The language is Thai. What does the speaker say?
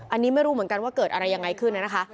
อันนี้ไม่รู้เหมือนกันว่าเกิดอะไรยังไงขึ้นนะคะ